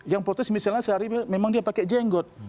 yang protes misalnya sehari memang dia pakai jenggot